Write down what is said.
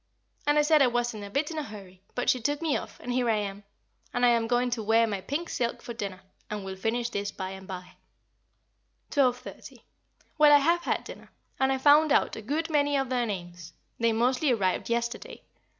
and I said I wasn't a bit in a hurry, but she took me off, and here I am; and I am going to wear my pink silk for dinner, and will finish this by and by. 12.30. Well, I have had dinner, and I found out a good many of their names they mostly arrived yesterday.